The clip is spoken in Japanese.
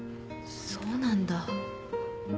そうなんだ。